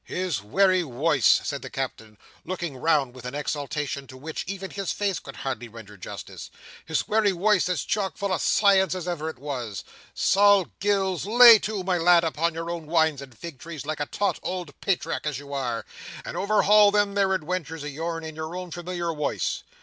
"His wery woice," said the Captain, looking round with an exultation to which even his face could hardly render justice—"his wery woice as chock full o' science as ever it was! Sol Gills, lay to, my lad, upon your own wines and fig trees like a taut ould patriark as you are, and overhaul them there adwentures o' yourn, in your own formilior woice.